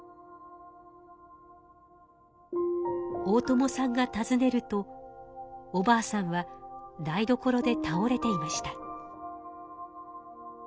大友さんがたずねるとおばあさんは台所でたおれていました。